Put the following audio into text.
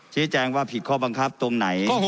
ชี้แจงว่าผิดข้อบังคับตรงไหน